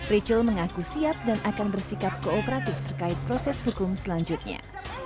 rachel mengaku siap dan akan bersikap kooperatif terkait proses hukum selanjutnya